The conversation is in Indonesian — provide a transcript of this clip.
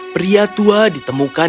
pria tua ditemukan